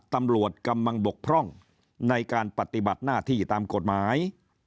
ตำรวจกำลังบกพร่องในการปฏิบัติหน้าที่ตามกฎหมาย